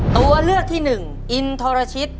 ตัวเลือกที่หนึ่งอินทรชิต